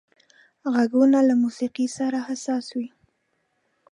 غوږونه له موسيقي سره حساس وي